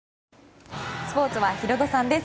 スポーツはヒロドさんです